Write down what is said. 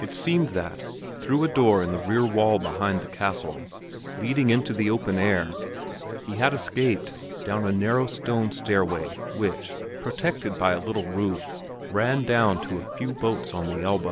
It seemed that, through a door in the rear wall behind the castle, leading into the open air, he had escaped down a narrow stone stairway which, protected by a little roof, ran down to a few boats on the Elbe.